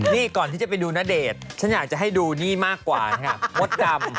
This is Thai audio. นี่ก่อนที่จะไปดูณเดชน์ฉันอยากจะให้ดูนี่มากกว่าค่ะมดดำ